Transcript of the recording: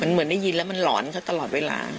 เหมือนได้ยินแล้วมันหลอนเขาตลอดเวลา